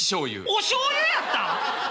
おしょうゆやった？